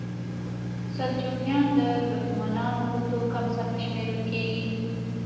سلجوقیان د ترکمنانو له توکم څخه شمیرل کیږي.